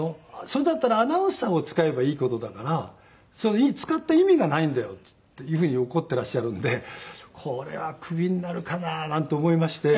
それだったらアナウンサーを使えばいい事だから使った意味がないんだよっていうふうに怒っていらっしゃるんでこれはクビになるかななんて思いまして。